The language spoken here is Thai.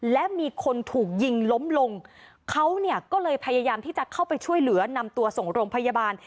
และมีคนถูกยิงล้มลงเขาเนี่ยก็เลยพยายามที่จะเข้าไปช่วยเหลือนำตัวส่งโรงพยาบาล